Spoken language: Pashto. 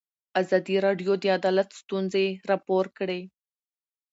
ازادي راډیو د عدالت ستونزې راپور کړي.